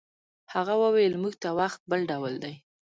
هغه وویل موږ ته وخت بل ډول دی.